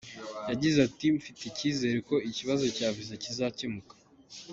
Yagize ati “Mfite icyizere ko ikibazo cya viza kizakemuka.